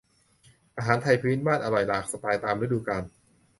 อาหารไทยพื้นบ้านอร่อยหลากสไตล์ตามฤดูกาล